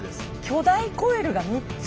巨大コイルが３つ？